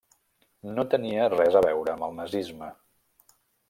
No tenia res a veure amb el nazisme.